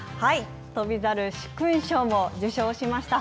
翔猿、殊勲賞も受賞しました。